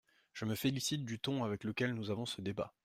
Je me félicite du ton avec lequel nous avons ce débat.